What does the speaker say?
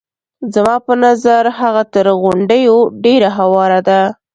زما په نظر هغه تر غونډیو ډېره هواره ده.